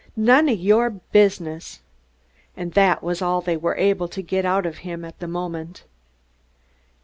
"None o' your business." And that was all they were able to get out of him at the moment.